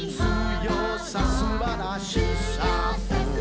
「強さすばらしさを」